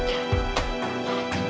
taruh di depan